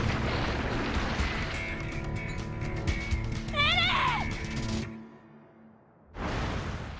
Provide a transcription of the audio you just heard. エレン！！